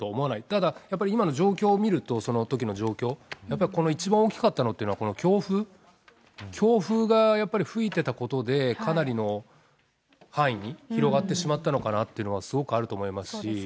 ただ、今の状況を見ると、そのときの状況、やっぱりこの一番大きかったっていうのは、この強風、強風がやっぱり吹いてたことで、かなりの範囲に広がってしまったのかなっていうのは、すごくあると思いますし。